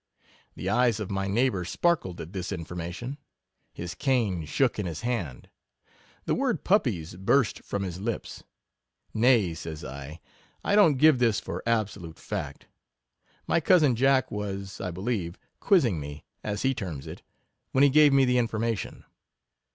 The eyes of my neighbour sparkled at this information — his cane, shook in his hand — the word puppies burst from his lips. Naj% says I, 1 don't give this for absolute fact: my cousin Jack was, I believe, quizzing me (as he terms it) when he gave me the information.